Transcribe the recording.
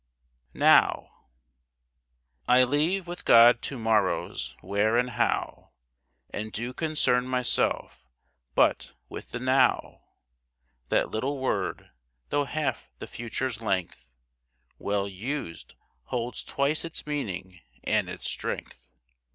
NOW I leave with God to morrow's where and how, And do concern myself but with the Now, That little word, though half the future's length, Well used, holds twice its meaning and its strength.